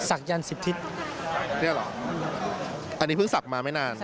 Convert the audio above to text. อันนี้เพิ่งศักดิ์มาไม่นาน